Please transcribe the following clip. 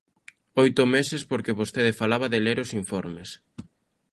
Oito meses, porque vostede falaba de ler os informes.